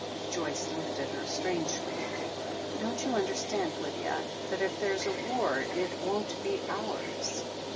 Joyce looked at her strangely. "Don't you understand, Lydia, that if there's a war, it won't be ours